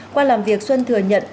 qua làm việc xuân thừa nhận